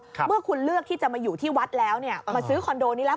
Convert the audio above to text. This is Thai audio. เมื่อคุณเลือกที่จะมาอยู่ที่วัดแล้วเนี่ยมาซื้อคอนโดนี้แล้ว